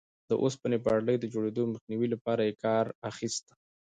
د اوسپنې پټلۍ د جوړېدو مخنیوي لپاره یې کار اخیست.